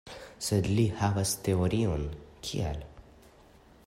Sed li havas teorion kial.